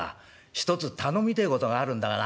ひとつ頼みてえことがあるんだがな。